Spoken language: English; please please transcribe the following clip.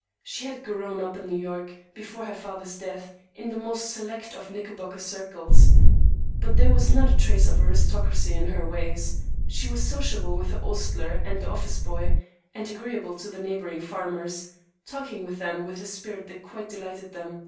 She had grown up in New York, before her father's death, in the most select of Knickerbocker circles, but there was not a trace of aristocracy in her ways. She was sociable with the ostler and the office boy, and agreeable to the neighboring farmers, talking with them with a spirit that quite delighted them.